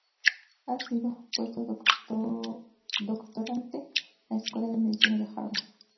Ha sido puesto-doctorante a Escuela de Medicina de Harvard.